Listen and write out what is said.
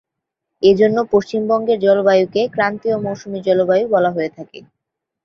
এজন্য পশ্চিমবঙ্গের জলবায়ুকে ক্রান্তীয় মৌসুমী জলবায়ু বলা হয়ে থাকে।